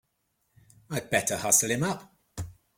I'd better hustle him up!